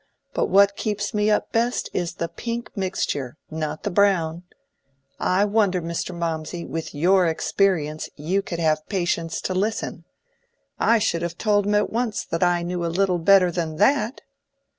But what keeps me up best is the pink mixture, not the brown. I wonder, Mr. Mawmsey, with your experience, you could have patience to listen. I should have told him at once that I knew a little better than that."